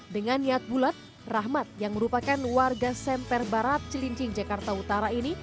dengan niat bulat rahmat yang merupakan warga semper barat cilincing jakarta utara ini